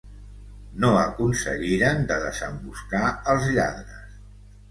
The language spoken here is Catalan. No aconseguiran de desemboscar els lladres.